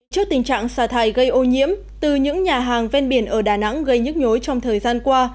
trước tình trạng xả thải gây ô nhiễm từ những nhà hàng ven biển ở đà nẵng gây nhức nhối trong thời gian qua